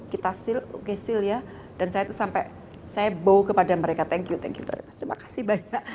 kita seal dan saya bau kepada mereka terima kasih banyak